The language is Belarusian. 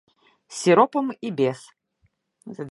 З сіропам і без.